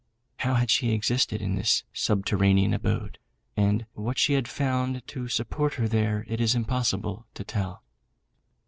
How she had existed in this subterranean abode, and what she had found to support her there, it is impossible to tell.